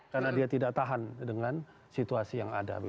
karena dia tidak tahan dengan situasi yang ada